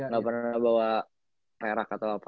gak pernah bawa perak atau apa